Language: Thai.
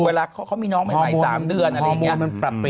เวลาเขามีน้องใหม่๓เดือนอะไรอย่างนี้